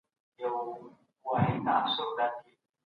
زدهکوونکي په ښوونځي کي د ښه راتلونکي هیله پیدا کوي.